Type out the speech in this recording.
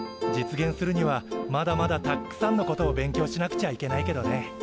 実現するにはまだまだたっくさんのことを勉強しなくちゃいけないけどね。